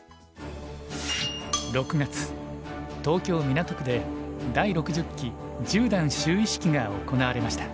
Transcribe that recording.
６月東京・港区で第６０期十段就位式が行われました。